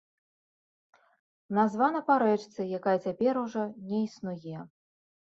Названа па рэчцы, якая цяпер ужо не існуе.